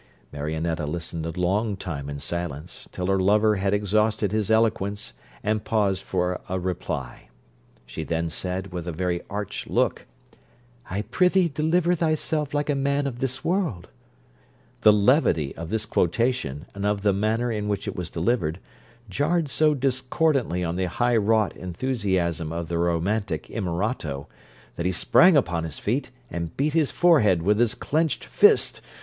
Marionetta listened a long time in silence, till her lover had exhausted his eloquence and paused for a reply. She then said, with a very arch look, 'I prithee deliver thyself like a man of this world.' The levity of this quotation, and of the manner in which it was delivered, jarred so discordantly on the high wrought enthusiasm of the romantic inamorato, that he sprang upon his feet, and beat his forehead with his clenched fist.